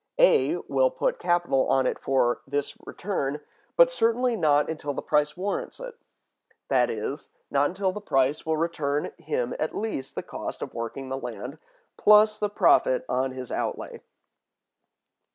A will put capital on it for this return, but certainly not until the price warrants it; that is, not until the price will return him at least the cost of working the land, plus the profit on his outlay.